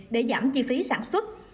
để giảm chi phí sản xuất